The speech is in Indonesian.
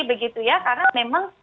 begitu ya karena memang